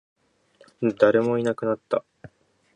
誰もいなくなった